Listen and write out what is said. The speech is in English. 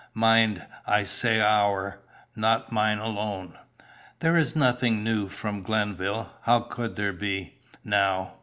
Mind I say our, not mine alone. "There is nothing new from Glenville how could there be now?